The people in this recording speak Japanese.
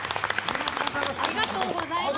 ありがとうございます。